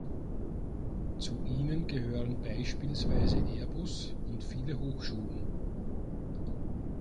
Zu ihnen gehören beispielsweise Airbus und viele Hochschulen.